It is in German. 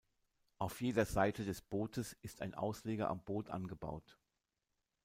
Auf jeder Seite des Bootes ist ein Ausleger am Boot angebaut.